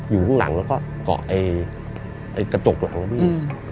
อยู่ข้างหลังแล้วก็เกาะกระจกหลังนะพี่